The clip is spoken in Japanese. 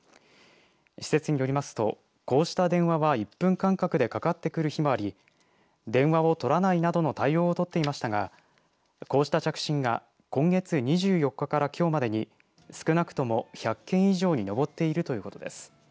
施設によりますとこうした電話は１分間隔でかかってくる日もあり電話を取らないなどの対応を取っていましたがこうした着信が今月２４日からきょうまでに少なくとも１００件以上に上っているということです。